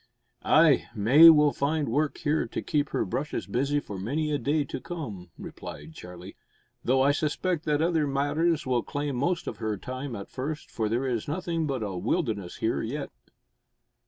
"Ay, May will find work here to keep her brushes busy for many a day to come," replied Charlie, "though I suspect that other matters will claim most of her time at first, for there is nothing but a wilderness here yet."